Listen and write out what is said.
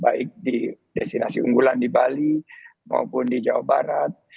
kemarin banyak keluhan di beberapa destinasi baik di destinasi unggulan di bali maupun di jawa barat